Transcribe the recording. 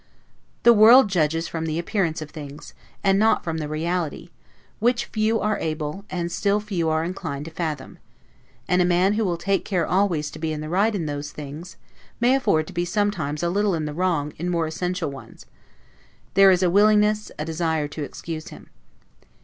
The world judges from the appearances of things, and not from the reality, which few are able, and still fewer are inclined to fathom: and a man, who will take care always to be in the right in those things, may afford to be sometimes a little in the wrong in more essential ones: there is a willingness, a desire to excuse him.